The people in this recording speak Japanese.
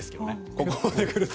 ここまで来ると。